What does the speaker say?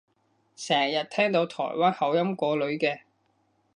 成日聽到台灣口音個女嘅